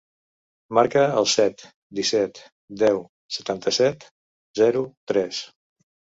Marca el set, disset, deu, setanta-set, zero, tres.